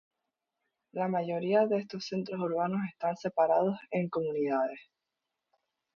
La mayoría de estos centros urbanos están separados en comunidades.